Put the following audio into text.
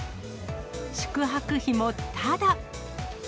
宿泊費もただ。